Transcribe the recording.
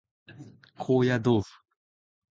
高野豆腐